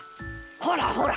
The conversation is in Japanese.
ほらほら。